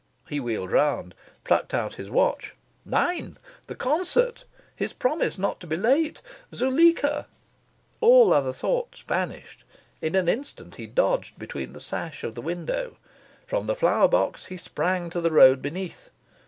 He wheeled round, plucked out his watch nine! the concert! his promise not to be late! Zuleika! All other thoughts vanished. In an instant he dodged beneath the sash of the window. From the flower box he sprang to the road beneath.